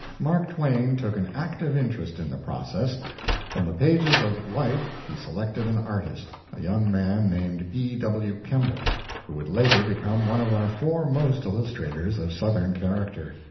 Mark Twain took an active interest in the process. From the pages of "Life" he selected an artist a young man named E. W. Kemble, who would later become one of our foremost illustrators of Southern character.